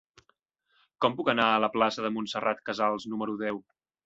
Com puc anar a la plaça de Montserrat Casals número deu?